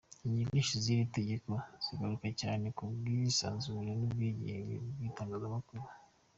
Ingingo nyinshi z’iryo tegeko zigaruka cyane ku bwisanzure n’ubwigenge by’Itangazamakuru.